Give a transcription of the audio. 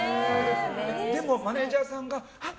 でも、マネジャーさんがあっ！